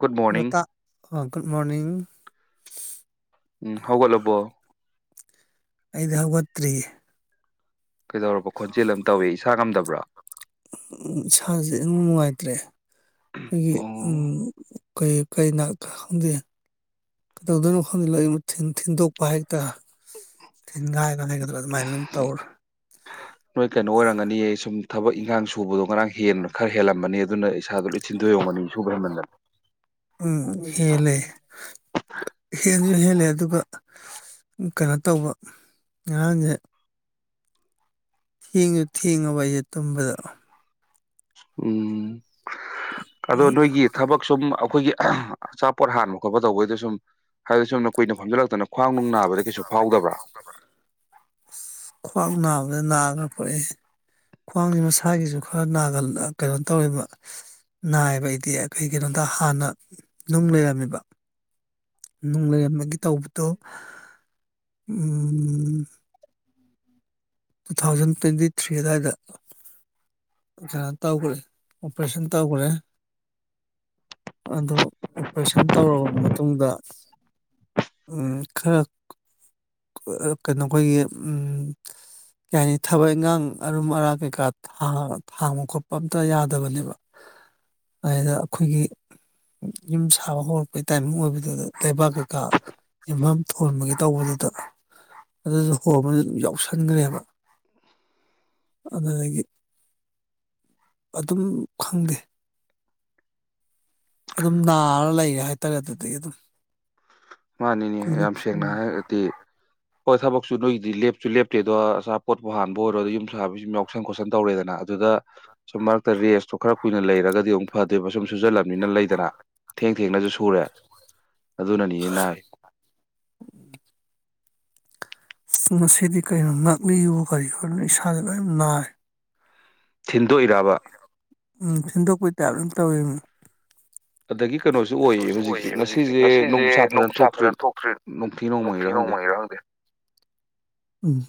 good morning ꯂꯇꯥꯥꯛ good morning ꯎꯝ ꯍꯒ ꯂꯕꯣ ꯑꯩꯗꯤ ꯍꯧꯒꯠꯇ꯭ꯔꯤꯒ ꯀꯩꯗꯧꯔꯕ ꯈꯣꯟꯖꯦꯜ ꯑꯃ ꯇꯧꯋꯦ ꯏꯁꯥ ꯉꯝꯗꯕ꯭ꯔꯥ ꯇ꯭ꯔꯦ ꯑꯩꯈꯣꯏꯒꯤ ꯎ ꯑꯣ ꯀꯩ ꯀ ꯅꯥ ꯈꯪꯗꯦ ꯀꯩꯗꯧꯗꯣꯏꯅꯣ ꯈꯣꯗꯜꯂꯏ ꯊꯤꯟꯗꯣꯛꯄ ꯍꯥꯏꯛꯇꯔꯥ ꯇꯤꯟꯒꯥꯏ ꯉꯥꯏꯒꯗ꯭ꯔꯥ ꯑꯗꯨꯃꯥꯏꯅ ꯑꯗꯨꯝ ꯇꯧꯔ ꯑꯟꯥꯡ ꯁꯨꯕꯗꯣ ꯉꯥꯡ ꯍꯦꯟꯅꯨ ꯈꯔ ꯍꯦꯜꯂꯝꯕꯅꯤ ꯑꯗꯨꯅ ꯏꯁꯥꯗꯣ ꯂꯣꯏ ꯊꯤꯟꯗ ꯌꯣꯡꯕꯅꯤ ꯁꯨꯕ ꯍꯦꯟꯃꯟꯗꯅ ꯎꯝ ꯍꯦ ꯂꯩꯦ ꯍ ꯁꯤꯁꯨ ꯍꯦꯜꯂꯦ ꯑꯗꯨꯒ ꯀꯩꯅꯣ ꯇꯧꯕ ꯉꯔꯥꯡꯁꯦ ꯊꯦꯡꯁꯨ ꯊꯦꯡꯉꯕ ꯑꯩꯁꯦ ꯇꯨꯝꯕꯗ ꯎꯝ ꯑꯗꯣ ꯅꯣꯏꯒꯤ ꯊꯕꯛ ꯁꯨꯝ ꯑꯩꯈꯣꯏꯒꯤ ꯑꯆꯥꯄꯣꯠ ꯍꯥꯟꯕ ꯈꯣꯠꯄ ꯇꯧꯕꯩꯗꯣ ꯁꯨꯝ ꯍꯥꯏꯕꯗꯤ ꯁꯨꯝꯅ ꯀꯨꯏꯅ ꯐꯝꯖꯜꯂꯛꯇꯅ ꯑꯁ ꯈꯋ꯭ꯥꯡ ꯅꯥꯕ [unintelligible] [unintelligible] ꯈ꯭ꯋꯥꯡꯖꯦ ꯃꯁꯥꯒꯤꯖꯨ ꯈ ꯅꯥꯒꯜ ꯑꯥ ꯀꯩꯅꯣ ꯇꯧꯔꯤꯕ ꯅꯥꯏꯕ ꯑꯩꯗꯤ ꯀꯩꯒꯤꯅꯣꯗ ꯍꯥꯟꯅ ꯅꯨꯡ ꯂꯩꯔꯝꯃꯤꯕ ꯅꯨꯡ ꯂꯩꯔꯝꯃꯦꯒꯤ ꯇꯧꯕꯗꯣ ꯎꯝ ꯇꯨ ꯊꯥꯎꯖꯟ ꯇ꯭ꯋꯦꯟꯇꯤ ꯊ꯭ꯔꯤ ꯑꯗꯥꯏꯗ ꯀꯩꯅꯣ ꯇꯧꯒꯔ꯭ꯦ ꯑꯣꯄꯔꯦꯁꯟ ꯇꯧꯒꯔ꯭ꯦ ꯑꯗꯣ ꯑꯣꯄꯔꯦꯁꯟ ꯇꯧꯔꯕ ꯃꯇꯨꯡꯗ ꯎꯝ ꯈꯔ ꯀꯩꯅꯣ ꯈꯣꯏꯒꯤ ꯎꯝ ꯀꯩ ꯍꯥꯏꯅꯤ ꯊꯕꯛ ꯏꯪꯒꯥꯡ ꯑꯔꯨꯝ ꯑꯔꯥꯛ ꯀꯩꯀꯥ ꯊꯥꯡ ꯊꯥꯡꯕ ꯈꯣꯠꯄ ꯑꯝꯇ ꯌꯥꯗꯕꯅꯦꯕ ꯑꯗꯩꯗ ꯑꯈꯣꯏꯒꯤ ꯌꯨꯝ ꯁꯥꯕ ꯍꯧꯔꯛꯄꯩ ꯇꯥꯏꯃꯤꯡ ꯑꯣꯏꯕꯗꯨꯗ ꯂꯩꯕꯥꯛ ꯀꯩꯀꯥ ꯌꯨꯝꯕꯝ ꯊꯣꯟꯕꯒꯤ ꯇꯧꯕꯗꯨꯗ ꯑꯗꯨꯖꯨ ꯍꯣꯡꯕ ꯌꯥꯎꯁꯟꯒꯔ꯭ꯦꯕ ꯑꯗꯨꯗꯒꯤ ꯑꯗꯨꯝ ꯈꯪꯗꯦ ꯑꯗꯨꯝ ꯅꯥꯔ ꯂꯩꯔꯦ ꯍꯥꯏꯇꯥꯔꯦ ꯑꯗꯨꯗꯒꯤ ꯑꯗꯨꯝ ꯃꯥꯅꯤꯅꯦ ꯀꯨꯏꯅ ꯌꯥꯝ ꯁꯦꯡꯅ ꯍꯥꯏꯔꯒꯗꯤ ꯍꯣꯏ ꯊꯕꯛꯁꯨ ꯅꯣꯏꯒꯤꯗꯤ ꯂꯦꯞꯁꯨ ꯂꯦꯞꯇꯦꯗꯣ ꯑꯆꯥꯄꯣꯠꯄꯨ ꯍꯥꯟꯕ ꯑꯣꯏꯔꯣ ꯑꯗꯩ ꯌꯨꯝ ꯁꯥꯕꯩ ꯁꯨꯝ ꯌꯥꯎꯁꯟ ꯈꯣꯠꯁꯟ ꯇꯧꯔꯦꯗꯅ ꯑꯗꯨꯗ ꯁꯨꯝ ꯃꯔꯛꯇ ꯔꯦꯁꯇꯣ ꯈꯔ ꯀꯨꯏꯅ ꯂꯩꯔꯒꯗꯤ ꯑꯃꯨꯛ ꯐꯠ ꯇꯦꯕ ꯁꯨꯝ ꯁꯨꯖꯜꯂꯝꯅꯤꯅ ꯂꯩꯗꯅ ꯊꯦꯡ ꯊꯦꯡꯅꯖꯨ ꯁꯨꯔꯦ ꯑꯗꯨꯅꯅꯤ [inaudible] ꯉꯁꯤꯗꯤ ꯀꯩꯅꯣ ꯉꯥꯛꯂꯤꯍꯣ ꯀꯔꯤꯍꯣ ꯂꯣꯏ ꯏꯁꯥꯖꯦ ꯂꯣꯏ ꯅꯥꯏ ꯊꯤꯟꯗꯣꯛꯏꯔꯕ ꯎꯝ ꯊꯤꯟꯗꯣꯛꯄꯩ ꯇꯥꯏꯄ ꯑꯗꯨꯝ ꯇꯧꯋꯤꯝ ꯑꯗꯒꯤ ꯀꯅꯣꯁꯨ ꯑꯣꯏꯌꯦ ꯍꯨꯖꯤꯛꯁꯦ ꯍꯧꯖꯤꯛꯁꯦ ꯉꯁꯤꯖꯦ ꯉꯁꯤꯁꯦ ꯅꯨꯡꯁꯥ ꯐꯖꯅ ꯊꯣꯛꯇ꯭ꯔꯤꯠ ꯊꯣꯛꯇ꯭ꯔꯤ ꯅꯣꯡꯊꯤ ꯅꯣꯡꯃꯪꯉꯤꯔꯥ ꯈꯪꯗꯦ ꯎꯝ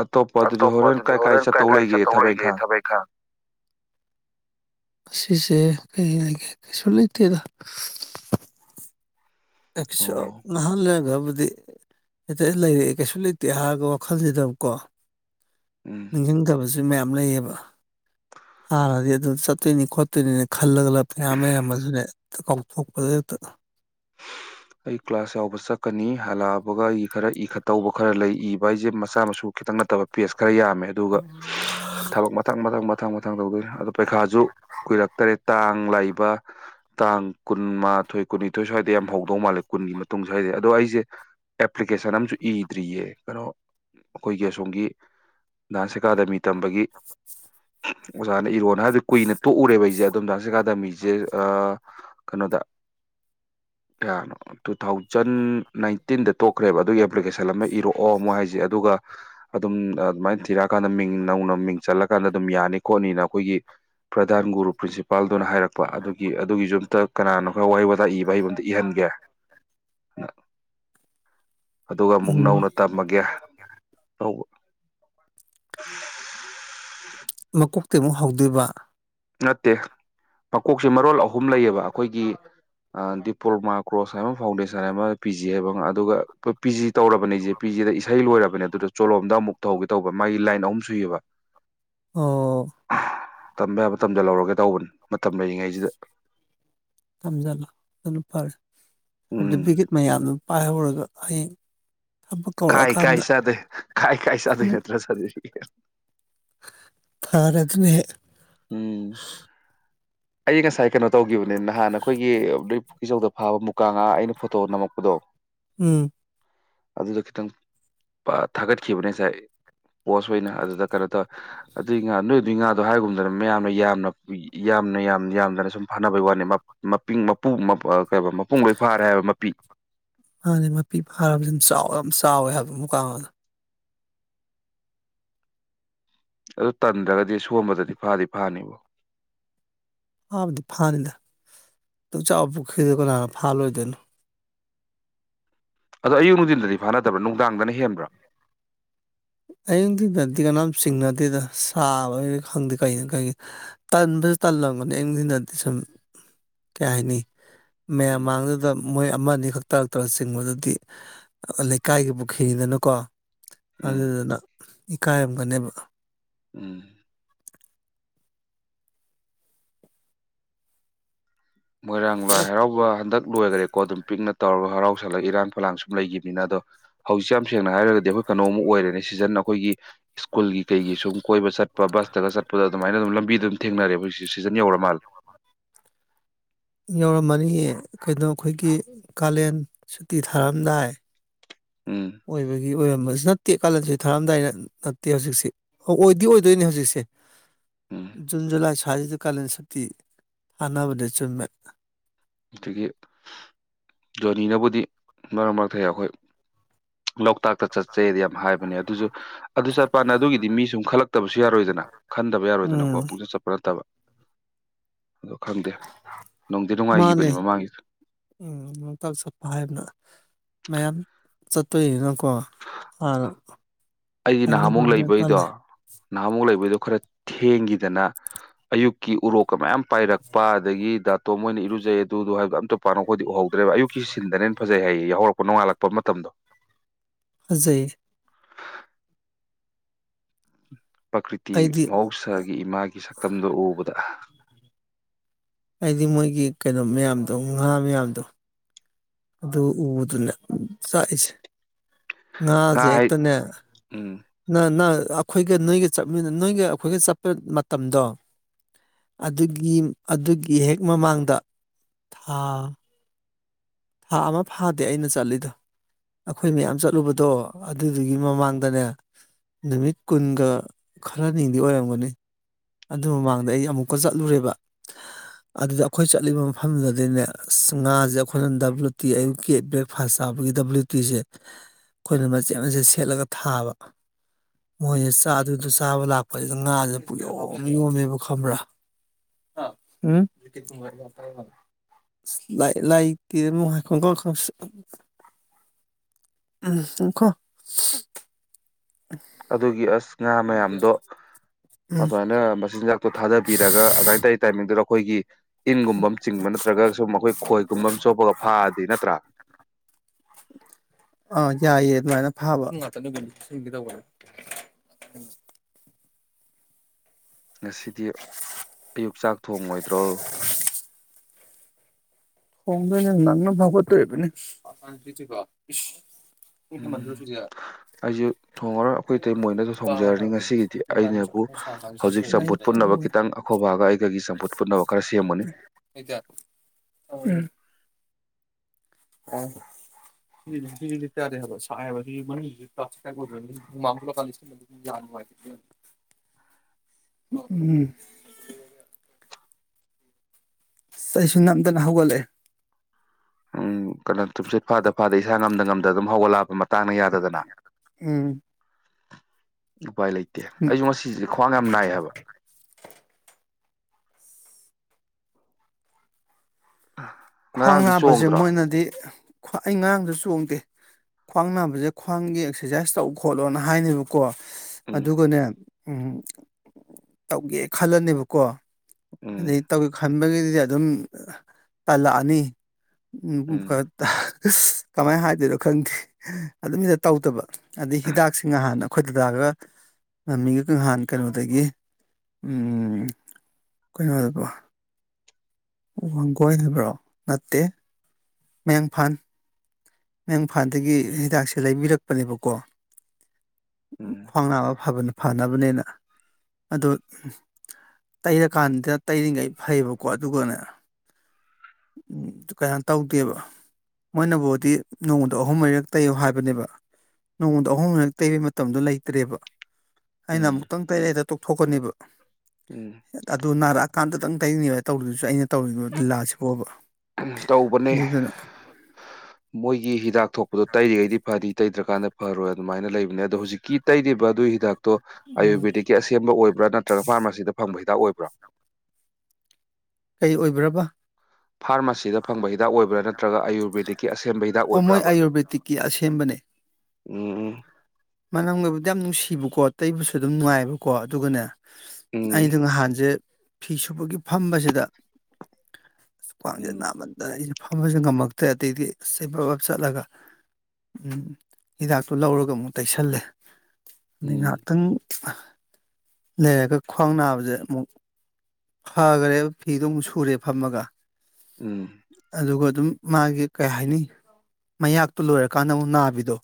ꯑꯇꯣꯞꯄ ꯑꯗꯨꯗꯤ ꯍꯣꯔꯦꯟ ꯀꯥꯏ ꯀꯥꯏ ꯆꯠꯇꯧ ꯂꯩꯒꯦ ꯊꯕꯛꯏꯪꯈꯥꯡ ꯉꯁꯤꯁꯦ ꯀꯩ ꯂꯩꯒꯦ ꯀꯩꯁꯨ ꯂꯩꯇꯦꯗ ꯑꯣ ꯑꯦꯛꯁꯣ [unintelligible] ꯕꯨꯗꯤ ꯍꯦꯛꯇ ꯂꯩꯔꯦꯑꯦ ꯀꯩꯁꯨ ꯂꯩꯇꯦ ꯍꯥꯏꯒ ꯋꯥꯈꯜꯖꯤꯗꯕꯀꯣ ꯎꯝ ꯅꯤꯡꯖꯤꯡꯗꯕꯖꯨ ꯃꯌꯥꯝ ꯂꯩꯌꯦꯕ ꯍꯥꯟꯅꯗꯤ ꯑꯗꯨ ꯆꯠꯇꯣꯏꯅꯤ ꯈꯣꯠꯇꯣꯏꯅꯤꯅ ꯈꯜꯂꯒ ꯃꯌꯥꯝ ꯂꯩꯔꯝꯃꯖꯨꯅꯦ ꯇ ꯀꯥꯎꯊꯣꯛꯄꯅꯦ ꯍꯦꯛꯇ ꯑꯩ ꯀ꯭ꯂꯥꯁ ꯌꯥꯎꯕ ꯆꯛꯀꯅꯤ ꯍꯜꯂꯛꯑꯕꯒ ꯑꯩ ꯈꯔ ꯏꯈꯠ ꯇꯧꯕ ꯈꯔ ꯂꯩ ꯏꯕ ꯍꯥꯏꯖꯦ ꯃꯆꯥ ꯃꯁꯨ ꯈꯤꯇꯪ ꯅꯠꯇꯕ ꯄꯦꯁ ꯈꯔ ꯌꯥꯝꯃꯦ ꯑꯗꯨꯒ ꯊꯕꯛ ꯃꯊꯪ ꯃꯊꯪ ꯃꯊꯪ ꯃꯊꯪ ꯇꯧꯗꯣꯏꯅꯤ ꯑꯗꯣ ꯄꯩꯈꯥꯖꯨ ꯀꯨꯏꯔꯛꯇꯔꯦ ꯇꯥꯡ ꯂꯥꯏꯕ ꯇꯥꯡ ꯀꯨꯟꯃꯥꯊꯣꯏ ꯀꯨꯟꯅꯤꯊꯣꯏ ꯁ꯭ꯋꯥꯏꯗ ꯌꯥꯝ ꯍꯧ ꯗꯣꯡ ꯃꯥꯂꯦ ꯀꯨꯟꯒꯤ ꯃꯇꯨꯡ ꯁꯋ꯭ꯥꯏ ꯖꯦ ꯑꯗꯣ ꯑꯩꯖꯦ ꯑꯦꯞꯄ꯭ꯂꯤꯀꯦꯁꯟ ꯑꯝꯖꯨ ꯏꯗ꯭ꯔꯤꯌꯦ ꯀꯩꯅꯣ ꯑꯈꯣꯏꯒꯤ ꯑꯁꯣꯝꯒꯤ ꯗꯥꯟꯁ ꯑꯦꯀꯥꯗꯃꯤ ꯇꯝꯕꯒꯤ ꯑꯣꯖꯥꯅ ꯏꯔꯣꯅ ꯍꯥꯏꯕꯗꯤ ꯀꯨꯏꯅ ꯇꯣꯛꯎꯔꯦꯕ ꯑꯩꯖꯦ ꯑꯗꯨꯝ ꯗꯥꯟꯁ ꯑꯦꯀꯥꯗꯃꯤꯖꯦ ꯑꯥ ꯀꯅꯣꯗ ꯀꯌꯥꯅꯣ ꯇꯨ ꯊꯥꯎꯖꯟ ꯅꯥꯏꯟꯇꯤꯟꯗ ꯇꯣꯛꯈ꯭ꯔꯦꯕ ꯑꯗꯨꯏ ꯑꯦꯞ ꯄꯔꯤꯀꯦꯁꯟ ꯑꯃ ꯏꯔꯣ ꯑꯣ ꯃꯣꯏ ꯍꯥꯏꯖꯦ ꯑꯗꯨꯒ ꯑꯗꯨꯝ ꯑꯗꯨꯃꯥꯏꯅ ꯊꯤꯔꯛꯑꯀꯥꯟꯗ ꯃꯤꯡ ꯅꯧꯅ ꯃꯤꯡ ꯆꯠꯂ ꯀꯥꯟꯗ ꯑꯗꯨꯝ ꯌꯥꯅꯤ ꯈꯣꯠꯅꯤꯅ ꯑꯩꯈꯣꯏꯒꯤ ꯄ꯭ꯔꯙꯥꯟ ꯒꯨꯔꯨ ꯄ꯭ꯔꯤꯟꯁꯤꯄꯥꯜꯗꯨꯅ ꯍꯥꯏꯔꯛꯄ ꯑꯗꯨꯒꯤ ꯑꯗꯨꯒꯤꯁꯨ ꯑꯝꯇ ꯀꯅꯥꯅꯣ ꯑꯩꯈꯣꯏ ꯋꯥꯍꯩ ꯋꯥꯇꯥ ꯏꯕ ꯍꯩꯕ ꯑꯇ ꯒꯦ ꯑꯗꯨꯒ ꯑꯃꯨꯛ ꯎꯝ ꯅꯧꯅ ꯇꯝꯃꯒꯦ ꯅꯧꯕ ꯎ ꯃꯀꯣꯛꯇꯤ ꯑꯃꯨꯛ ꯍꯧꯗꯣꯏꯕ ꯅꯠꯇꯦ ꯃꯀꯣꯛꯁꯦ ꯃꯔꯣꯜ ꯑꯍꯨꯝ ꯂꯩꯌꯦꯕ ꯑꯩꯈꯣꯏꯒꯤ ꯗꯤꯄ꯭ꯂꯣꯃꯥ ꯀꯣꯔꯣꯁ ꯍꯥꯏ ꯑꯃ ꯐꯥꯎꯟꯗꯦꯁꯟ ꯍꯥꯏ ꯑꯃ ꯄꯤ ꯖꯤ ꯍꯥꯏꯕ ꯑꯃ ꯑꯗꯨꯒꯣꯏ ꯄꯤ ꯖꯤ ꯇꯧꯔꯕꯅꯤꯁꯦ ꯄꯤ ꯖꯤꯗ ꯏꯁꯩ ꯂꯣꯏꯔꯕꯅꯦ ꯑꯗꯨꯗ ꯆꯣꯂꯣꯝꯗ ꯑꯃꯨꯛ ꯊꯧꯒꯦ ꯇꯧꯕ ꯃꯥꯒꯤ ꯂꯥꯏꯟ ꯑꯍꯨꯝ ꯁꯨꯏꯌꯦꯕ ꯑꯣ ꯇ ꯃꯇꯝꯗ ꯂꯧꯔꯒ ꯇꯧꯕꯅꯤ ꯃꯇꯝ ꯂꯩꯔꯤꯉꯩꯁꯤꯗ ꯊꯝꯖꯂ ꯐꯥꯔ ꯑꯕꯤ ꯎꯝ ꯀꯠ ꯃꯌꯥꯝ ꯑꯗꯨ ꯄꯥꯏ ꯄꯨꯔꯒ ꯍꯌꯦꯡ ꯊꯕꯛ ꯀꯥꯏ ꯀꯥꯏ ꯀꯧꯔꯛꯑꯀꯥꯟꯗ ꯆꯗꯦ ꯀꯥꯏ ꯀꯥꯏ ꯆꯗ ꯅꯠꯇ꯭ꯔ ꯆ ꯊꯔꯗꯅꯦ ꯎꯝ ꯑꯩ ꯉꯁꯥꯏ ꯀꯩꯅꯣ ꯇꯧꯈꯤꯕꯅꯦ ꯅꯍꯥꯟ ꯑꯩꯈꯣꯏꯒꯤ ꯄꯨ ꯏꯆꯧꯗ ꯐꯥꯕ ꯃꯨꯀꯥ ꯉꯥ ꯑꯩꯅ ꯐꯣꯇꯣ ꯅꯝꯃꯛꯄꯗꯣ ꯎꯝ ꯑꯗꯨꯗꯣ ꯈꯤꯇꯪ ꯊꯥꯒꯠꯈꯤꯕꯅꯦ ꯉꯁꯥꯏ ꯄꯣꯁ ꯑꯣꯏꯅ ꯑꯗꯨꯗ ꯀꯩꯅꯣ ꯇꯧꯋ ꯑꯗꯨꯏ ꯉꯥ ꯅꯣꯏ ꯑꯗꯨ ꯉꯥ ꯑ ꯍꯥꯏꯒꯨꯝꯗꯅ ꯃꯌꯥꯝꯅ ꯌꯥꯝꯅ ꯌꯥꯝ ꯌꯥꯝ ꯌꯥꯝꯗꯅ ꯁꯨꯝ ꯐꯅꯕꯒꯤ ꯋꯥꯅꯤ ꯃꯄ ꯃꯄꯨ ꯀ ꯃꯄꯨꯡꯈꯩ ꯐꯥꯔꯦ ꯍꯥꯏꯕ ꯃꯄꯤ ꯝ ꯆꯥꯎꯋꯦ ꯍꯥꯏꯕ ꯃꯀꯥꯥꯟ ꯑꯗꯨ ꯇꯟꯗ꯭ꯔꯒꯗꯤ ꯁꯣꯝꯕꯗꯗꯤ ꯐꯥꯗꯤ ꯐꯥꯅꯤꯕꯣ ꯑꯥꯕꯗꯤ ꯐꯥꯅꯤꯗ ꯑꯗꯨ ꯆꯥꯎꯕ ꯄꯨꯈꯤꯗꯦ ꯀꯅꯥꯅ ꯐꯥꯜꯂꯣꯏꯗꯣꯏꯅꯣ ꯑꯗꯣ ꯑꯌꯨꯛ ꯅꯨꯡꯊꯤꯟꯗꯗꯤ ꯐꯥꯅꯗꯕ꯭ꯔꯥ ꯅꯨꯡꯗꯥꯡꯗꯅ ꯍꯦꯟꯕ꯭ꯔꯥ ꯑꯌꯨꯊꯤꯟꯗꯗꯤ ꯀꯅꯥꯝ ꯆꯤꯡꯅꯗꯦꯗ ꯁꯥꯕꯣꯏ ꯈꯪꯗꯦ ꯀꯩꯅꯣ ꯀꯩ ꯇꯟꯕꯁꯨ ꯇꯜꯂꯝꯒꯅꯤ ꯑꯌꯨꯅꯨꯡꯊꯤꯟꯗꯗꯤ ꯁꯨꯝ ꯀꯩ ꯍꯥꯏꯅꯤ ꯃꯌꯥꯝ ꯎꯝ ꯃꯥꯡꯗꯨꯗ ꯃꯣꯏ ꯑꯃ ꯑ ꯈꯛ ꯇꯥꯔꯛꯇꯔ ꯆꯤꯡꯕꯗꯗꯤ ꯂꯩꯀꯥꯏꯒꯤ ꯄꯨꯈ꯭ꯔꯤꯗꯅꯀꯣ ꯎꯝ ꯑꯗꯨꯗ ꯏꯀꯥꯏꯔꯝꯒꯅꯦꯕ ꯎꯝ ꯃꯣꯏꯔꯥꯡ ꯂꯥꯏ ꯍꯔꯥꯎꯕ ꯍꯟꯗꯛ ꯂꯣꯏꯈꯔꯦꯀꯣ ꯑꯗꯨꯝ ꯄꯤꯛꯅ ꯇꯧꯔꯒ ꯍꯔꯥꯎ ꯁꯜꯂꯒ ꯏꯔꯥꯡ ꯐꯂꯥꯡ ꯁꯨꯝ ꯂꯩꯈꯤꯕꯅꯤꯅ ꯑꯗꯣ ꯍꯧꯖꯤꯛꯁ ꯌꯥꯝ ꯁꯦꯡꯅ ꯍꯥꯏꯔꯒꯗꯤ ꯑꯩꯈꯣꯏ ꯀꯩꯅꯣꯝ ꯑꯣꯏꯔꯦꯅꯦ ꯁꯤꯖꯟ ꯑꯩꯈꯣꯏꯒꯤ ꯁ꯭ꯀꯨꯜꯒꯤ ꯀꯩꯒꯤ ꯁꯨꯝ ꯀꯣꯏꯕ ꯆꯠꯄ ꯕꯁꯇꯒ ꯆꯠꯄꯗꯣ ꯑꯗꯨꯃꯥꯏꯅ ꯑꯗꯨꯝ ꯂꯝꯕꯤꯗ ꯑꯗꯨꯝ ꯊꯦꯡꯅꯔꯦ ꯍꯧꯖꯤꯛ ꯁꯤꯖꯟ ꯌꯧꯔ ꯃꯥꯜꯂꯦ ꯌꯥꯎꯔꯝꯃꯅꯤꯌꯦ ꯀꯩꯅꯣ ꯑꯩꯈꯣꯏꯒꯤ ꯀꯥꯂꯦꯟ ꯁꯨꯇꯤ ꯊꯥꯔꯝꯗꯥꯏ ꯎꯝ ꯑꯣꯏꯣꯏꯕ ꯑꯣꯏꯔꯝꯕꯁꯨ ꯅꯠꯇꯦ ꯀꯥꯂꯟꯁꯤ ꯊꯥꯔꯝꯗꯥꯏꯗ ꯅꯠꯇꯦ ꯍꯧꯖꯤꯛꯁꯤꯦ ꯑꯣ ꯑꯣꯏꯗꯤ ꯑꯣꯏꯗꯣꯏꯅꯤ ꯍꯧꯖꯤꯛꯁꯦ ꯎꯝ ꯖꯨꯟ ꯖꯨꯂꯥꯏ ꯁ꯭ꯋꯥꯏꯁꯤꯗ ꯀꯥꯂꯟ ꯁꯛꯇꯤ ꯊꯥꯅꯕꯗꯤ ꯆꯨꯝꯃꯦ ꯑꯗꯒꯤ ꯖꯣꯅꯤꯅꯕꯨꯗꯤ ꯃꯔꯛ ꯃꯔꯛꯛꯇ ꯑꯩꯈꯣꯏ ꯂꯧ ꯇꯥꯛꯇ ꯆꯠꯆꯩꯗꯤ ꯌꯥꯝ ꯍꯥꯏꯕꯅꯦ ꯑꯗꯨꯁꯨ ꯑꯗꯨ ꯆꯠꯄꯥꯟꯗ ꯑꯗꯨꯒꯤꯗꯤ ꯃꯤ ꯁꯨꯝ ꯈꯜꯂꯛꯇꯕꯁꯨ ꯌꯥꯔꯣꯏꯗꯅ ꯈꯟꯗꯕ ꯌꯥꯔꯣꯏꯗꯅꯀꯣ ꯎꯝ ꯄꯨꯡꯆꯠ ꯆꯠꯄ ꯅꯠꯇꯕ ꯑꯗꯣ ꯈꯪꯗꯦ ꯅꯨꯡꯗꯤ ꯅꯨꯡꯉꯥꯏꯈꯤꯕ ꯃꯥꯅꯦ ꯎꯝ ꯇ ꯁꯐ ꯍꯥꯏꯕꯅ ꯃꯌꯥꯝ ꯆꯠꯄ ꯌꯦꯉ ꯀꯣ ꯐꯥꯅ ꯑꯩꯗꯤ ꯅꯍꯥꯟꯃꯨꯛ ꯂꯩꯕꯩꯗꯣ ꯅꯍꯥꯃꯨꯛ ꯂꯩꯕꯗꯣ ꯈꯔ ꯊꯦꯡꯈꯤꯗꯅ ꯑꯌꯨꯛꯀꯤ ꯎꯔꯣꯛ ꯃꯌꯥꯝ ꯄꯥꯏꯔꯛꯄ ꯑꯗꯒꯤ ꯇꯣ ꯃꯣꯏꯅ ꯏꯔꯨꯖꯩ ꯑꯗꯨꯗꯣ ꯍꯥꯏꯕ ꯑꯝꯇ ꯄꯥꯟꯅꯈꯣꯏꯗꯤ ꯎꯍꯧꯦ ꯑꯗꯨ ꯑꯌꯛꯀꯤ ꯁꯤꯟꯗꯅꯅꯦꯅ ꯐꯖꯩ ꯍꯥꯏꯌꯦ ꯌꯥꯎꯔꯛꯄ ꯅꯣꯡꯉꯥꯜꯂꯛꯄ ꯃꯇꯝꯗꯣ ꯐꯖꯩ ꯎ ꯄ꯭ꯔꯀꯤ꯭ꯔꯤꯇꯤ ꯑꯩꯗꯤ ꯃꯍꯧꯁꯥꯒꯤ ꯏꯃꯥꯒꯤ ꯁꯛꯇꯝꯗꯨꯣ ꯎꯕꯗ ꯍꯥꯏꯗꯤ ꯃꯣꯏꯒꯤ ꯀꯩꯅꯣ ꯃꯌꯥꯝꯗꯣ ꯉꯥ ꯃꯌꯥꯝꯗꯣ ꯑꯗꯨ ꯎꯕꯗꯨꯅ ꯆꯥꯛꯏꯁꯦ ꯉꯥ ꯉꯁꯦ ꯍꯥꯏ ꯍꯛꯇꯅꯦ ꯎꯝ ꯅ ꯅ ꯑꯩꯈꯣꯏꯒ ꯅꯣꯏꯒ ꯆꯠꯃꯤꯟꯅ ꯅꯣꯏꯒ ꯑꯩꯈꯣꯏꯒ ꯆꯠꯄ ꯃꯇꯝꯗꯣ ꯑꯗꯨꯒꯤ ꯑꯗꯨꯒꯤ ꯍꯦꯛ ꯃꯃꯥꯡꯗ ꯊꯥ ꯊꯥ ꯑꯃ ꯐꯥꯗꯦ ꯑꯩꯅ ꯆꯠꯂꯤꯗ ꯑꯩꯈꯣꯏ ꯃꯌꯥꯝ ꯆꯠꯂꯨꯕꯗꯣ ꯑꯗꯨꯗꯨꯒꯤ ꯃꯃꯥꯡꯗꯅꯦ ꯅꯨꯃꯤꯠ ꯀꯨꯟꯒ ꯈꯔ ꯅꯤꯡꯗꯤ ꯑꯣꯏꯔꯝꯒꯅꯤ ꯑꯗꯨ ꯃꯃꯥꯡꯗ ꯑꯩ ꯑꯃꯨꯛꯀ ꯆꯠꯂꯨꯔꯦꯕ ꯑꯗꯨꯗ ꯑꯩꯈꯣꯏ ꯆꯠꯂꯤꯕ ꯃꯐꯝꯗꯨꯗꯗꯤꯅꯦ ꯑꯁ ꯉꯥꯁꯦ ꯑꯩꯈꯣꯏꯅ ꯗꯕ꯭ꯂꯨ ꯇꯤ ꯑꯌꯨꯛꯀꯤ ꯕ꯭ꯔꯦꯛꯐꯥꯁ ꯆꯥꯕꯒꯤ ꯗꯕ꯭ꯂꯨ ꯇꯤꯁꯦ ꯑꯩꯈꯣꯏꯅ ꯃꯆꯦꯠ ꯃꯆꯦꯠ ꯁꯦꯠꯂꯒ ꯊꯥꯕ ꯃꯣꯏꯁ ꯆꯥ ꯑꯗꯨꯗꯨ ꯆꯥꯕ ꯂꯥꯛꯄꯁꯤꯗ ꯉꯥꯁꯦ ꯄꯨꯛꯌꯧ ꯣꯝꯃꯤꯣꯝꯃꯦꯕ ꯈꯕ꯭ꯔꯥ ꯂꯥꯏ ꯍꯥꯏ ꯈꯪ ꯎꯝꯣ ꯑꯗꯨꯒꯤ ꯑꯁ ꯉꯥ ꯃꯌꯥꯝꯗꯣ ꯑꯗꯨꯃꯥꯏꯅ ꯃꯆꯤꯟꯖꯥꯛꯇꯣ ꯊꯥꯗꯕꯤꯔꯒ ꯑꯗꯨꯃꯥꯏꯅ ꯇꯧ ꯇꯥꯏꯃꯤꯡꯗꯨꯗ ꯑꯩꯈꯣꯏꯒꯤ ꯏꯟꯒꯨꯝꯕ ꯑꯃ ꯆꯤꯡꯕ ꯅꯠꯇ꯭ꯔꯒ ꯁꯨꯝ ꯑꯩꯈꯣꯏ ꯈꯣꯏꯒꯨꯝꯕ ꯑꯃ ꯁꯣꯄꯒ ꯐꯥꯔꯗꯤ ꯅꯠꯇ꯭ꯔꯥ ꯑꯥ ꯌꯥꯏꯌꯦꯦ ꯑꯗꯨꯃꯥꯏꯅ ꯐꯥꯕ ꯉꯁꯤꯗꯤ ꯑꯌꯨꯛ ꯆꯥꯛ ꯊꯣꯡꯉꯣꯏꯗ꯭ꯔꯣ ꯍꯣꯡꯗꯅꯤ ꯅꯪꯅ ꯐꯕꯕꯅꯦ ꯎꯝ ꯑꯩꯁꯨ ꯊꯣꯡꯉꯔꯣꯏ ꯑꯩꯈꯣꯏ ꯑꯇꯩ ꯃꯣꯏꯅꯁꯨ ꯊꯣꯡꯖꯔꯅꯤ ꯉꯁꯤꯒꯤꯗꯤ ꯑꯩꯅꯕꯨ ꯍꯧꯖꯤꯛ ꯆꯝꯐꯨꯠ ꯄꯨꯟꯅꯕ ꯎꯝ ꯈꯤꯇꯪ ꯑꯈꯣꯏꯕꯒ ꯑꯩꯒꯒꯤ ꯆꯝꯐꯨꯠ ꯄꯨꯟꯅꯕ ꯈꯔ ꯁꯦꯝꯒꯅꯤ ꯎꯝ ꯑꯔ ꯍꯥꯏꯕ ꯁ ꯆ ꯆꯦ ꯃꯥꯡꯒꯂ ꯀꯥ ꯂꯤ ꯌꯥ ꯑꯩꯁꯨ ꯅꯝꯗꯅ ꯍꯧꯒꯠꯂꯦ ꯎꯝ ꯀꯩꯅꯣ ꯊꯨꯝꯆꯠ ꯐꯥꯗ ꯐꯥꯗ ꯏꯁꯥ ꯉꯝꯗ ꯉꯝꯗ ꯑꯗꯨꯝ ꯍꯧꯒꯠꯂꯛꯑꯄ ꯃꯇꯥꯡꯅ ꯌꯥꯗꯗꯅ ꯎꯝ ꯎꯄꯥꯏ ꯂꯩ ꯗꯦ ꯑꯩꯁꯨ ꯉꯁꯦ ꯈ꯭ꯋꯥꯡ ꯌꯥꯝ ꯅꯥꯏꯌꯦ ꯍꯥꯏꯕ ꯈ꯭ꯋꯥꯡ ꯉꯔꯥꯡꯗꯤ ꯅꯥꯕꯁꯦ ꯆꯣꯡꯗ꯭ꯔꯣ ꯃꯣꯏꯅꯗꯤ ꯭ꯋꯥ ꯑꯩ ꯉꯔꯥꯡꯁꯨ ꯆꯣꯡꯗꯦ ꯈ꯭ꯋꯥꯡ ꯅꯥꯕꯁꯦ ꯈ꯭ꯋꯥꯡꯒꯤ ꯑꯦꯛꯁꯔꯁꯥꯏꯁ ꯇꯧ ꯈꯣꯠꯂꯣꯅ ꯍꯥꯏꯅꯦꯕꯀꯣ ꯎꯝ ꯑꯗꯨꯒꯅꯦ ꯎꯝ ꯇꯧꯒꯦ ꯈꯜꯂꯅꯦꯕꯀꯣ ꯎꯝ ꯑꯗꯩ ꯇꯧꯒꯦ ꯈꯜ ꯈꯟꯕꯒꯩꯗꯨꯗꯤ ꯑꯗꯨꯝ ꯇꯜꯂꯛꯑꯅꯤ ꯎꯝ ꯐꯔꯛꯇꯥ ꯑ ꯀꯃꯥꯏꯅ ꯍꯥꯏꯗꯣꯏꯅꯣ ꯈꯪꯗꯦ ꯑꯗꯨꯝꯅꯦ ꯇꯧꯗꯕ ꯑꯗꯩ ꯍꯤꯗꯥꯛꯁꯤ ꯉꯍꯥꯟꯅ ꯇꯣꯏ ꯗꯗꯥꯒ ꯃꯝꯃꯤꯒ ꯉꯍꯥꯟ ꯀꯩꯅꯣꯗꯒꯤ ꯎꯝ [unintelligible] ꯋꯥꯡꯒꯣꯏ ꯍꯥꯏꯕ꯭ꯔꯣ ꯅꯠꯇꯦ ꯃꯌꯥꯡꯐꯥꯟ ꯃꯌꯥꯡꯐꯥꯜꯗꯒꯤ ꯍꯤꯗꯥꯛꯁꯦ ꯂꯩꯕꯤꯔꯛꯄꯅꯦꯕꯀꯣ ꯎꯝ ꯈꯋꯥꯡ ꯅꯥꯕ ꯐꯕꯅ ꯐꯅꯕꯅꯦꯅ ꯑꯗꯣ ꯇꯩꯔꯀꯥꯟꯗ ꯇꯩꯔꯤꯉꯩ ꯐꯩꯌꯦꯕꯀꯣ ꯑꯗꯨꯒꯅꯦ ꯀꯩꯅꯣ ꯇꯧꯗꯦꯕ ꯃꯣꯏꯅꯕꯨꯗꯤ ꯅꯣꯡꯃꯗ ꯑꯍꯨꯝ ꯃꯔꯤꯔꯛ ꯇꯩꯌꯣ ꯍꯥꯏꯕꯅꯦꯕ ꯅꯣꯡꯃꯗ ꯑꯍꯨꯝ ꯃꯔꯤꯔꯛ ꯇꯩꯕꯩ ꯃꯇꯝꯗꯣ ꯂꯩꯇ꯭ꯔꯦꯕ ꯑꯩꯅ ꯎꯝ ꯑꯃꯨꯛꯇꯪ ꯇꯩꯔꯗ ꯇꯣꯛꯊꯣꯛꯀꯅꯦꯕ ꯎꯝ ꯑꯗꯨꯅꯔꯥ ꯑꯃꯇꯪ ꯇꯩꯅꯤꯕ ꯇꯧꯔꯗꯨꯁꯨ ꯑꯩꯅ ꯇꯧꯔꯤꯕ ꯂꯤꯂꯥꯁꯤꯕꯨꯕ ꯎꯝ ꯇꯧꯕꯅꯦ ꯑꯗꯨꯒ ꯀꯩꯅꯣ ꯃꯣꯏꯒꯤ ꯍꯤꯗꯥꯛ ꯊꯣꯛꯄꯗꯣ ꯇꯩꯔꯤꯉꯩꯗꯤ ꯐꯅꯤ ꯇꯩꯗ꯭ꯔꯀꯥꯟꯗ ꯐꯔꯣꯏ ꯑꯗꯨꯃꯥꯏꯅ ꯂꯩꯕꯅꯦ ꯑꯗꯣ ꯍꯧꯖꯤꯛꯀꯤ ꯇꯩꯔꯤꯕ ꯑꯗꯨꯒꯤ ꯍꯤꯗꯥꯛ ꯇꯣ ꯑꯌꯨꯔꯕꯦꯗꯤꯛꯀꯤ ꯑꯁꯦꯝꯕ ꯑꯣꯏꯕ꯭ꯔꯥ ꯅꯠꯇ꯭ꯔꯒ ꯐꯥꯔꯃꯥꯁꯤꯗ ꯐꯪꯕ ꯍꯤꯗꯥꯛ ꯑꯣꯏꯕ꯭ꯔꯥ ꯀꯩ ꯑꯣꯏꯕꯔꯕ ꯐꯥꯔꯃꯥꯁꯤꯗ ꯐꯪꯕ ꯍꯤꯗꯥꯛ ꯑꯣꯏꯕ꯭ꯔꯥ ꯅꯠꯇ꯭ꯔꯒ ꯑꯌꯨꯔꯕꯦꯗꯤꯛꯀꯤ ꯑꯁꯦꯡꯕ ꯍꯤꯗꯥꯛ ꯑꯣ ꯃꯣꯏ ꯑꯣꯏꯕ꯭ꯔꯕ ꯑꯌꯨꯨꯔꯕꯦꯗꯤꯛꯀꯤ ꯑꯁꯦꯝꯕꯅꯦ ꯎꯝ ꯃꯅꯝꯒꯕꯨꯗꯤ ꯌꯥꯝ ꯅꯨꯡꯁꯤꯕꯀꯣ ꯇꯩꯕꯁꯨ ꯑꯗꯨꯝ ꯅꯨꯡꯉꯥꯏꯕꯀꯣ ꯑꯗꯨꯒꯅꯦ ꯎꯝ ꯑꯩꯗꯣ ꯉꯍꯥꯟꯁꯦ ꯐꯤ ꯁꯨꯕꯒꯤ ꯐꯝꯕꯁꯤꯗ ꯈꯋꯥꯡꯖꯦ ꯎꯝ ꯅꯥꯃꯟꯗꯅ ꯑꯩꯅ ꯐꯝꯕꯁꯤ ꯉꯝꯃꯛꯇ꯭ꯔꯦ ꯑꯗꯩꯗꯤ ꯁꯦ ꯕꯞꯂꯞ ꯆꯠꯂꯒ ꯎꯝ ꯍꯤꯗꯥꯛꯇꯨ ꯂꯧꯔꯒ ꯑꯃꯨꯛ ꯇꯩꯁꯜꯂꯦ ꯑꯗꯩ ꯎꯝ ꯉꯥꯏꯍꯥꯛꯇꯪ ꯂꯩꯔꯒ ꯈ꯭ꯋꯥꯡ ꯅꯥꯕꯁꯦ ꯑꯃꯨꯛ ꯐꯒꯔꯦꯕ ꯐꯤꯗꯣ ꯑꯃꯨꯛ ꯁꯨꯔꯦ ꯐꯝꯃꯒ ꯎꯝ ꯑꯗꯨ ꯀ [unintelligible] ꯑꯗꯨꯝ ꯃꯥꯒꯤ ꯀꯩ ꯍꯥꯏꯅꯤ ꯃꯌꯥꯛꯇꯨ ꯂꯣꯏꯔꯀꯥꯟꯗ ꯑꯃꯨꯛ ꯅꯥꯕꯤꯗꯣ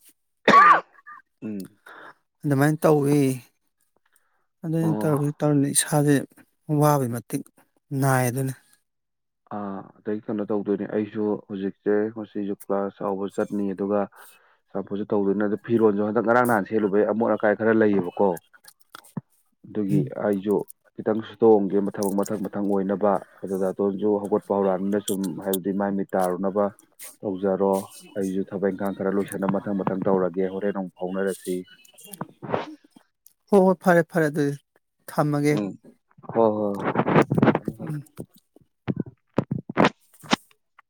ꯎꯝ ꯑꯗꯨꯃꯥꯏꯅ ꯇꯧꯋꯤ ꯑꯗꯨ ꯑꯣ ꯇꯔ ꯏꯁꯥꯁꯦ ꯋꯥꯕꯒꯤ ꯃꯇꯤꯛ ꯅꯥꯏ ꯑꯗꯨꯅꯤ ꯑꯥ ꯑꯗꯩ ꯀꯩꯅꯣ ꯇꯧꯗꯣꯏꯅꯦ ꯑꯩꯁꯨ ꯍꯧꯖꯤꯛꯁꯦ ꯉꯁꯨ ꯀꯥꯁ ꯆꯥꯎꯕ ꯆꯠꯅꯤ ꯑꯗꯨꯒ ꯆꯝꯐꯨꯁꯨ ꯇꯧꯗꯣꯏꯅꯦ ꯑꯗ ꯐꯤꯔꯣꯟꯜꯁꯨ ꯈꯤꯇꯪ ꯉꯔꯥꯡ ꯅꯍꯥꯟ ꯁꯦꯠꯂꯨꯕꯩ ꯑꯃꯣꯠ ꯑꯀꯥꯏ ꯈꯔ ꯂꯩꯌꯦꯕꯀꯣ ꯑꯗꯨꯒꯤ ꯎꯝ ꯑꯩꯁꯨ ꯈꯤꯇꯪ ꯇꯣꯡꯒꯦ ꯃꯊꯕꯛ ꯃꯊꯪ ꯃꯊꯪ ꯑꯣꯏꯅꯕ ꯑꯗꯨꯗ [unintelligible] ꯍꯧꯒꯠꯄ ꯍꯧꯔꯥꯡꯅꯤꯅ ꯁꯨꯝ ꯍꯥꯏꯕꯗꯤ ꯃꯥꯏ ꯃꯤꯠ ꯇꯥꯔꯨꯅꯕ ꯇꯧꯖꯔꯣ ꯑꯩꯁꯨ ꯊꯕꯛ ꯏꯪꯈꯥꯡ ꯈꯔ ꯂꯣꯏꯁꯤꯟꯅ ꯃꯊꯪ ꯃꯊꯪ ꯇꯧꯔꯒꯦ ꯍꯣꯔꯦꯟ ꯅꯨꯡ ꯐꯥꯎꯅꯔꯁꯤ ꯍꯣꯏ ꯍꯣꯏ ꯐꯔꯦ ꯐꯔꯦ ꯑꯗꯨꯗꯤ ꯊꯝꯃꯒꯦ ꯎꯝ ꯍꯣꯏ ꯍꯣꯏ ꯎꯝ [inaudible]